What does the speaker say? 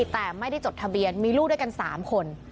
แต่ไม่ได้จดทะเบียนมีลูกด้วยกัน๓คน